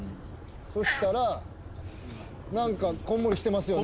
そしたら何かこんもりしてますよね。